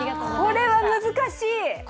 これは難しい！